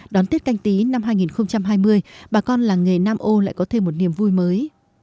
đón tết canh tí năm hai nghìn hai mươi bà con làng nghề nam âu lại có thêm một niềm vui mới